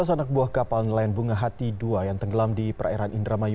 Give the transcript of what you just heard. dua belas anak buah kapal nelayan bunga hati dua yang tenggelam di perairan indramayu